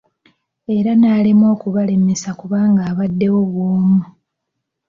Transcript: Era n'alemwa okubalemesa kubanga abaddewo bwomu.